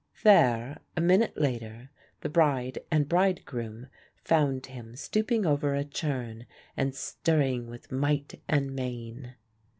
There, a minute later, the bride and bridegroom found him stooping over a churn and stirring with might and main.